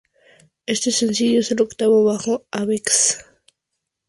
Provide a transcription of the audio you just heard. Este sencillo es el octavo bajo Avex.